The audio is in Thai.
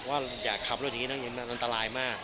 ว่าอย่าขับรถอย่างนี้น้องอินมันตลายมาก